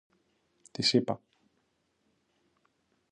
της είπα.